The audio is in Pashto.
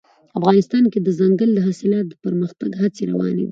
افغانستان کې د دځنګل حاصلات د پرمختګ هڅې روانې دي.